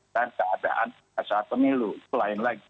dan keadaan saat pemilu itu lain lagi